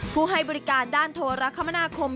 ให้บริการด้านโทรคมนาคม